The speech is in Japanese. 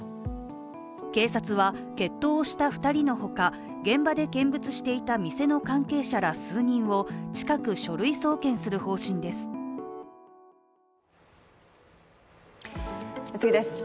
警察は決闘をした２人のほか現場で見物していた店の関係者ら数人を近く書類送検する方針です